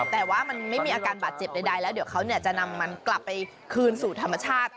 แต่ว่ามันไม่มีอาการบาดเจ็บใดแล้วเดี๋ยวเขาจะนำมันกลับไปคืนสู่ธรรมชาติ